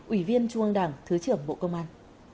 ủy viên trung ương đảng thứ trưởng bộ công an